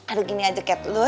aduh gini aja kat